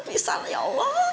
bisa lah ya allah